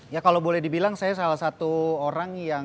ya kalau boleh dibilang saya salah satu orang yang